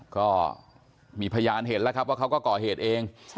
ก็มีพยานเห็นแล้วครับว่าเขาก็ก่อเหตุเอง